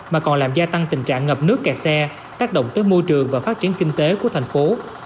mà còn làm gia tăng tình trạng ngập nước kẹt xe tác động tới môi trường và phát triển kinh tế của thành phố